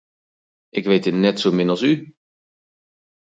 Ik weet dit net zomin als u.